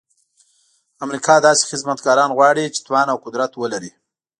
امریکا داسې خدمتګاران غواړي چې توان او قدرت ولري.